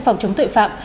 phòng chống tội phạm